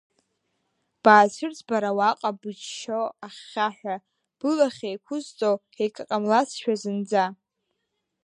Баацәырҵ бара уаҟа, бычч-ччо ахьхьаҳәа, былахь еиқәызҵо егьҟамлацшәа зынӡа.